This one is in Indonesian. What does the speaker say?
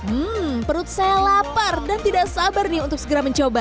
hmm perut saya lapar dan tidak sabar nih untuk segera mencoba